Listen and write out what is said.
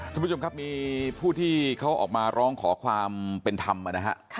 ท่านผู้ชมครับมีผู้ที่เขาออกมาร้องขอความเป็นธรรมนะฮะ